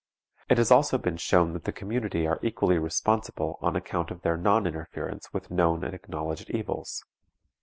It has also been shown that the community are equally responsible on account of their non interference with known and acknowledged evils.